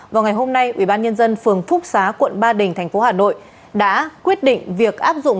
vào ngày hôm nay ubnd phường phúc xá quận ba đình tp hà nội đã quyết định việc áp dụng